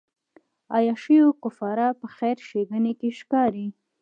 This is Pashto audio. عیاشیو کفاره په خیر ښېګڼې کې ښکاري.